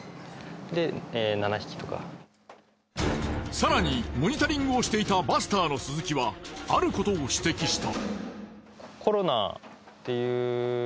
更にモニタリングをしていたバスターの鈴木はあることを指摘した。